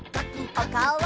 おかおを！